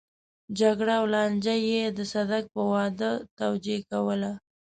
جګړه او لانجه به يې د صدک په واده توجيه کوله.